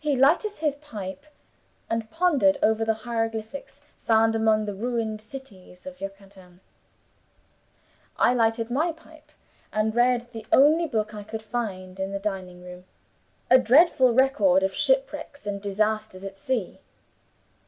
He lighted his pipe and pondered over the hieroglyphics found among the ruined cities of Yucatan; I lighted my pipe, and read the only book I could find in the dining room a dreadful record of shipwrecks and disasters at sea.